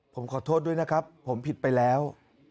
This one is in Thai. ผมขอโทษด้วยนะครับผมผิดไปแล้ว